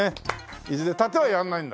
いずれ殺陣はやらないんだ？